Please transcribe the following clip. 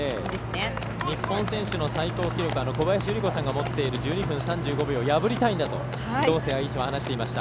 日本選手の最高記録は小林祐梨子さんが持っている１２分３５秒を破りたいんだと道清愛紗は話していました。